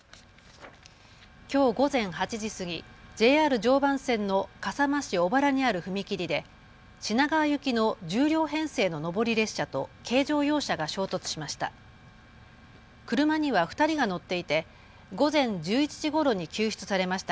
きょう午前８時過ぎＪＲ常磐線の笠間市小原にある踏切で品川行きの１０両編成の上り列車と軽乗用車が衝突しました。